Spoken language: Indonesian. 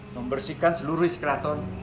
membersihkan seluruh iskraton